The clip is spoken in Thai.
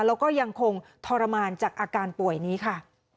แล้วก็ยังคงทรมานจากอาการป่วยนี้ค่ะ